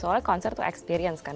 soalnya konser itu experience kan